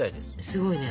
すごいね。